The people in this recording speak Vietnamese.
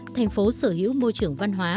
thành phố sở hữu môi trường văn hóa